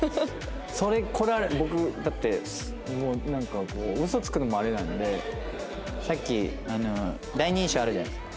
それ来られると僕だってウソつくのもあれなのでさっき第二印象あるじゃないですか。